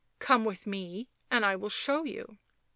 " Come with me and I will show you."